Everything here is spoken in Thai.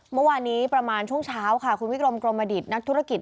เมื่อวานนี้ประมาณช่วงเช้าค่ะคุณวิกรมกรมดิตนักธุรกิจ